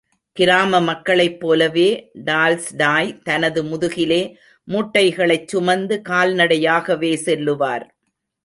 கிராம மக்களைப் போலவே டால்ஸ்டாய் தனது முதுகிலே மூட்டைகளைச் சுமந்து கால்நடையாகவே செல்லுவார்.